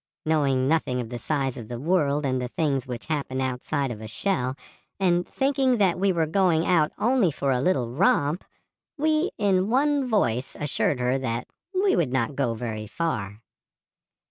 Knowing nothing of the size of the world and the things which happen outside of a shell, and thinking that we were going out only for a little romp, we in one voice assured her that we would not go very far.